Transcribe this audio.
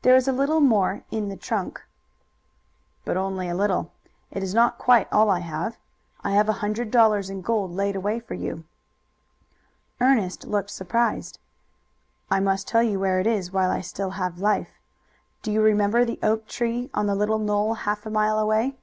"There is a little more in the trunk." "But only a little. It is not quite all I have. I have a hundred dollars in gold laid away for you." Ernest looked surprised. "I must tell you where it is while I still have life. Do you remember the oak tree on the little knoll half a mile away?"